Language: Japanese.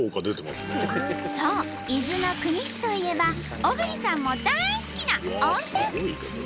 そう伊豆の国市といえば小栗さんも大好きな温泉！